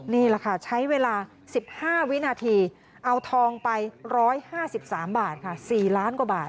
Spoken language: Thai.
นี่แหละค่ะใช้เวลา๑๕วินาทีเอาทองไป๑๕๓บาทค่ะ๔ล้านกว่าบาท